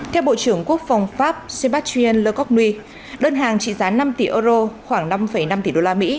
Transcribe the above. theo bộ trưởng quốc phòng pháp sébastien le cogni đơn hàng trị giá năm tỷ euro khoảng năm năm tỷ đô la mỹ